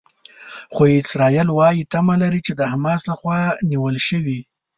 خو اسرائیل وايي تمه لري چې د حماس لخوا نیول شوي.